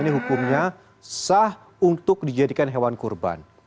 ini hukumnya sah untuk dijadikan hewan kurban